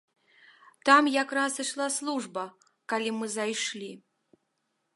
Там якраз ішла служба, калі мы зайшлі.